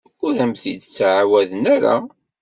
Ur am-t-id-ttɛawaden ara.